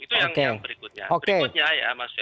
itu yang berikutnya